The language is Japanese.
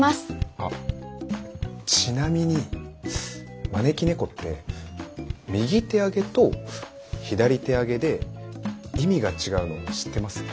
あっちなみに招き猫って右手上げと左手上げで意味が違うの知ってます？